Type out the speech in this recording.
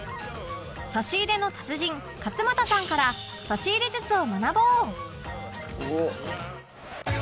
差し入れの達人勝俣さんから差し入れ術を学ぼう